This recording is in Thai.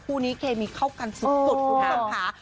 ผู้นี้เคมีข้อบครามสุดทว่าเราค่ะ